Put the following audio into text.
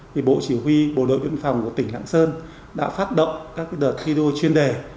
thì bộ chỉ huy bộ đội biên phòng của tỉnh lạng sơn đã phát động các đợt thi đua chuyên đề